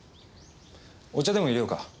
お茶でも淹れようか。